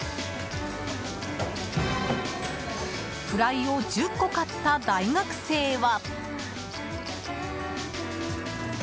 フライを１０個買った大学生は。